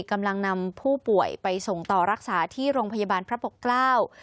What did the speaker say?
กำลังนำผู้ป่วยไปส่งต่อรักษาที่โรงพยาบาลพระปกเกล้า